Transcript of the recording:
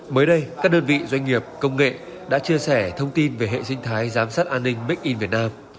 mới đây các đơn vị doanh nghiệp công nghệ đã chia sẻ thông tin về hệ sinh thái giám sát an ninh make in việt nam